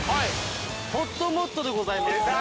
ほっともっとでございます。